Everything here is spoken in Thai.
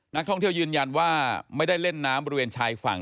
นักท่องเที่ยวยืนยันว่าไม่ได้เล่นน้ำบริเวณชายฝั่ง